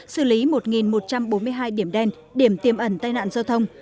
xử lý một một trăm bốn mươi hai điểm đen điểm tiêm ẩn tai nạn giao thông